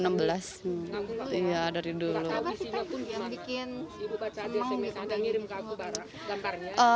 sabar kita pun yang bikin semang gitu